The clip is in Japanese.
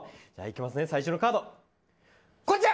最初のカード、こちら。